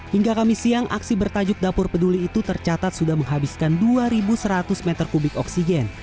hingga kamis siang aksi bertajuk dapur peduli itu tercatat sudah menghabiskan dua ribu seratus m tiga oksigen